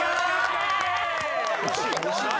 惜しい。